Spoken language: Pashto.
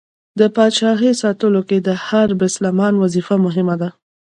د پاچایۍ ساتلو کې د هر بسلمان وظیفه مهمه ده.